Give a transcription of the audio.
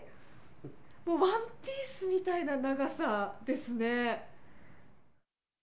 もうワンピースみたいな長さですね。